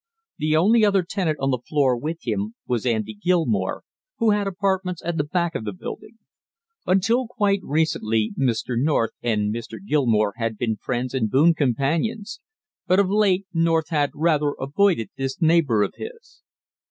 The only other tenant on the floor with him was Andy Gilmore, who had apartments at the back of the building. Until quite recently Mr. North and Mr. Gilmore had been friends and boon companions, but of late North had rather avoided this neighbor of his.